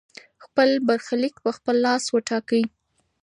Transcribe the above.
خپل برخليک په خپل لاس وټاکئ.